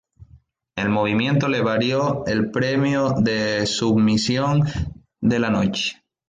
El movimiento le valió el premio de "Sumisión de la Noche".